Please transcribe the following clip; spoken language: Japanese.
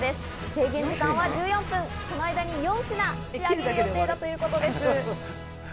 制限時間は１４分、その間に４品を作る予定だということです。